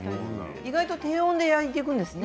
意外と低温で焼いていくんですね